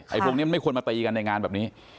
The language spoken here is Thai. ไอ้พวกนี้มันไม่ควรมาตายกันในงานแบบนี้